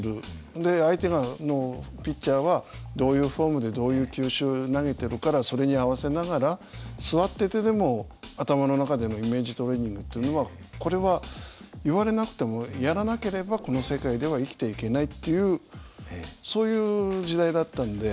で相手のピッチャーはどういうフォームでどういう球種投げてるからそれに合わせながら座っててでも頭の中でのイメージトレーニングはこれは言われなくてもやらなければこの世界では生きていけないっていうそういう時代だったんで。